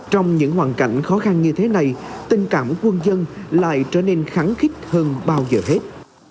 trong những hoàn cảnh khó khăn như thế này tình cảm của quân dân lại trở nên kháng khích hơn bao giờ hết